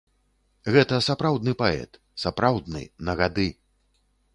Гэта сапраўдны паэт, сапраўдны, на гады.